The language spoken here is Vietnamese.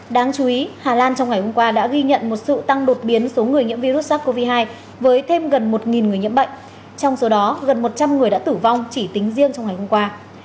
đáng chú ý hà lan trong ngày hôm qua đã ghi nhận một sự tăng đột biến số người nhiễm virus sars cov hai với thêm gần một người nhiễm bệnh trong số đó gần một trăm linh người đã tử vong chỉ tính riêng trong ngày hôm qua